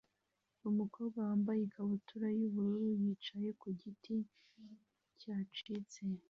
Umukobwa wambaye ikabutura yubururu yicaye ku giti cyacitse